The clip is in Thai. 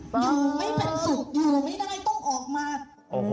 อยู่ไม่เป็นสุขอยู่ไม่ได้ต้องออกมา